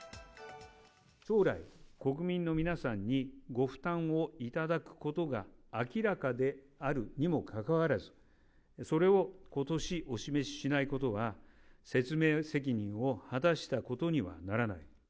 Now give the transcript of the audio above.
将来、国民の皆さんにご負担をいただくことが明らかであるにもかかわらず、それをことしお示ししないことは、説明責任を果たしたことにはならない。